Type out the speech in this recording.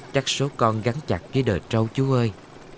chắc số con gắn chặt với đời trâu chú ơi